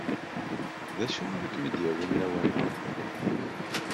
D acu ara kem-id-yawin lawan-a?